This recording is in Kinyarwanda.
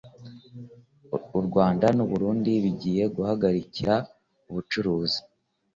u rwanda n’u burundi bijyiye guhagarikira ubucuruzi.